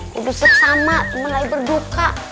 kudusnya sama teman lagi berduka